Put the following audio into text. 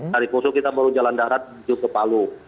dari poso kita baru jalan darat menuju ke palu